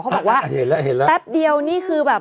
เขาบอกว่าแป๊บเดียวนี่คือแบบ